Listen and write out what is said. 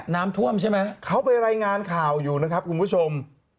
น้ำท่วมใช่ไหม